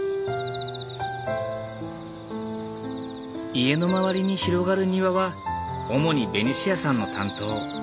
家の周りに広がる庭は主にベニシアさんの担当。